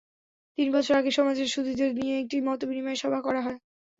তিন বছর আগে সমাজের সুধীদের নিয়ে একটি মতবিনিময় সভা করা হয়।